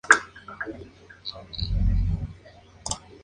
Incluye Fiesta de la moda, Fiesta de disfraces y Fiesta de la acampada.